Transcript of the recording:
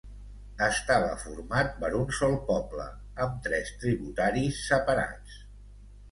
Estava format per un sol poble, amb tres tributaris separats.